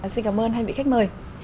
xin cảm ơn hai vị khách mời